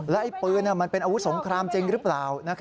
ไอ้ปืนมันเป็นอาวุธสงครามจริงหรือเปล่า